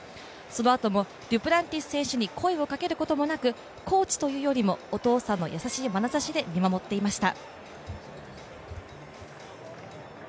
そのあともデュプランティス選手に声をかけることはなくコーチというよりも、お父さんの優しいまなざしで見守っていました。